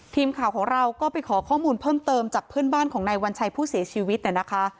ทีมข่าวของเราก็ไปขอข้อมูลเพิ่มเติมจากเพื่อนบ้านของนายวัญชัยผู้เสียชีวิตเนี่ยนะคะ